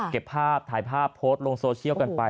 เก็บภาพถ่ายภาพโพสต์ลงโซเชียลกันไป